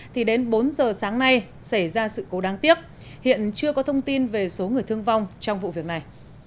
thì đến bốn giờ sáng nay xảy ra sự cố đáng tiếc hiện chưa có thông tin về số người thương vong trong vụ việc này